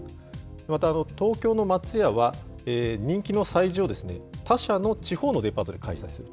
また、東京の松屋は人気の催事を、他社の地方のデパートで開催する。